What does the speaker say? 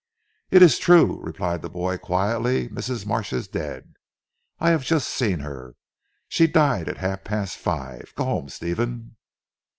"It is true," replied the boy quietly, "Mrs. Marsh is dead. I have just seen her. She died at half past five. Go home Stephen."